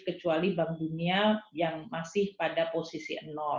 kecuali bank dunia yang masih pada posisi